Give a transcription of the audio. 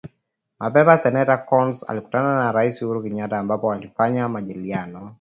Mapema seneta Coons alikutana na rais Uhuru Kenyatta ambapo walifanya majadiliano